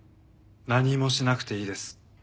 何もしなくていいです。